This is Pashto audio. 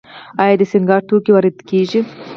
آیا د سینګار توکي وارد کیږي؟